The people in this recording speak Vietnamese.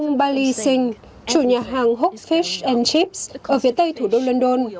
ông bali singh chủ nhà hàng hook s fish chips ở phía tây thủ đô london